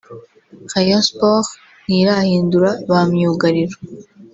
Rayon Sports ntirahindura ba myugariro